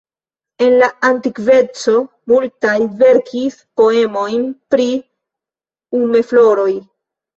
En la antikveco multaj verkis poemojn pri umefloroj.